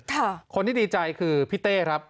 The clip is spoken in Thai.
คนที่ดีใจคือพี่เต้ครับ